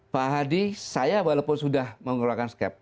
pak hadi saya walaupun sudah mengeluarkan skep